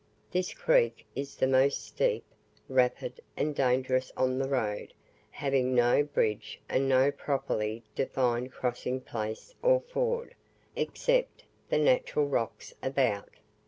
This creek is the most steep, rapid, and dangerous on the road, having no bridge and no properly defined crossing place or ford, except the natural rocks about.